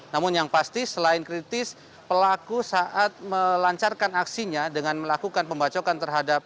namun yang pasti selain kritis pelaku saat melancarkan aksinya dengan melakukan pembacokan terhadap